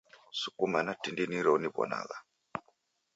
Sukuma na tindi niro niw'onagha.